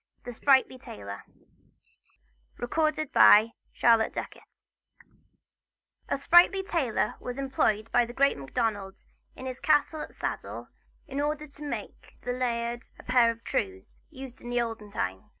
The Sprightly Tailor A Sprightly tailor was employed by the great Macdonald, in his castle at Saddell, in order to make the laird a pair of trews, used in olden time.